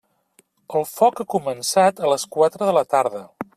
El foc ha començat a les quatre de la tarda.